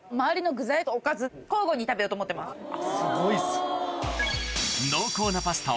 すごいっす。